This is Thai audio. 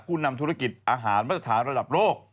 ผู้นำธุรกิจอาหารมาตรฐานระดับโลก